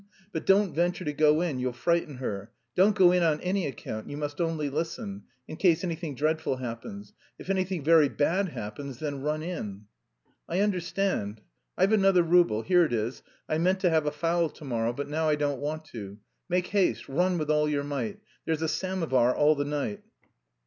But don't venture to go in, you'll frighten her; don't go in on any account, you must only listen... in case anything dreadful happens. If anything very bad happens, then run in." "I understand. I've another rouble. Here it is. I meant to have a fowl to morrow, but now I don't want to, make haste, run with all your might. There's a samovar all the night."